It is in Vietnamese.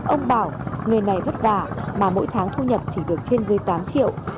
ông bảo nghề này vất vả mà mỗi tháng thu nhập chỉ được trên dưới tám triệu